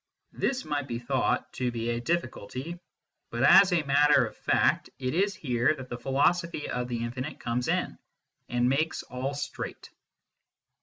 This might be thought to be a difn culty ; but, as a matter of fact, it is here that the philo sophy of the infinite comes in, and makes all straight.